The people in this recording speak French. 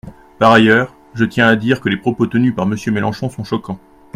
Par ailleurs, je tiens à dire que les propos tenus par Monsieur Mélenchon sont choquants.